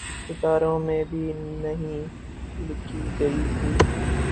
ستاروں میں بھی نہیں لکھی گئی تھی۔